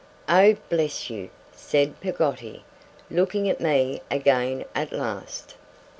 'Oh, bless you!' said Peggotty, looking at me again at last.